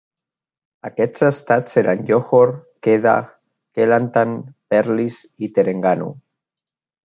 Aquests estats eren Johor, Kedah, Kelantan, Perlis i Terengganu.